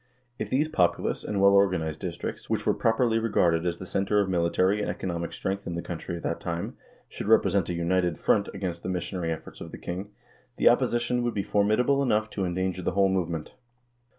If these populous and well organized districts, which were properly regarded as the center of military and economic strength in the country at that time, should present a united front against the missionary efforts of the king, the opposition would be formidable enough to endanger the whole movement.